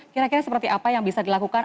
kira kira seperti apa yang bisa dilakukan